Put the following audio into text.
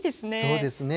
そうですね。